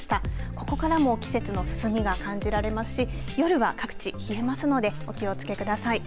ここからも季節の進みが感じられますし夜は各地、冷えますのでお気をつけください。